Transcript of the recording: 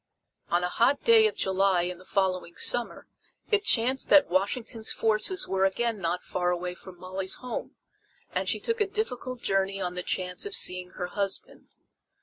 On a hot day of July in the following summer it chanced that Washington's forces were again not far away from Molly's home, and she took a difficult journey on the chance of seeing her husband.